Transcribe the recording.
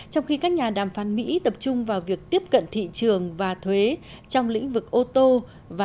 trong khi các nhà đàm phán mỹ tập trung vào việc tiếp cận thị trường và thuế trong lĩnh vực ô tô